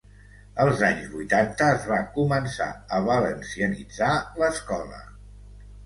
"Els anys vuitanta es va començar a valencianitzar l'escola".